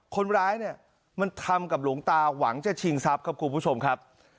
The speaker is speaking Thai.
คนร้ายเนี่ยมันทำกับหลวงตาหวังจะชิงทรัพย์ครับคุณผู้ชมครับ